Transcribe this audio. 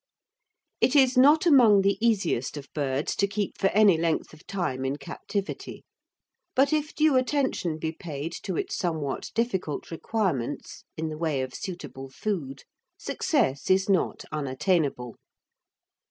It is not among the easiest of birds to keep for any length of time in captivity, but if due attention be paid to its somewhat difficult requirements in the way of suitable food, success is not unattainable.